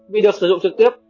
vì được sử dụng trực tiếp